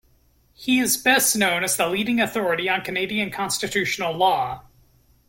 He is best known as the leading authority on Canadian constitutional law.